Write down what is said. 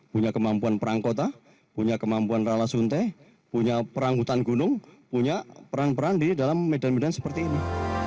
punya kemampuan perang kota punya kemampuan rala sunte punya perang hutan gunung punya peran peran di dalam medan medan seperti ini